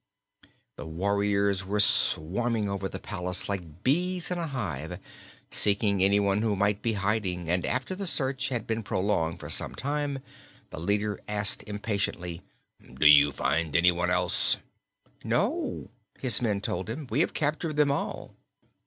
The warriors were swarming over the palace like bees in a hive, seeking anyone who might be in hiding, and after the search had been prolonged for some time the leader asked impatiently: "Do you find anyone else?" "No," his men told him. "We have captured them all."